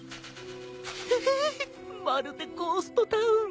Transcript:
まるでゴーストタウン。